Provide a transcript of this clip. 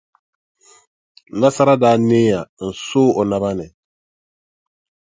Nasara daa neeya n-sooi o naba ni.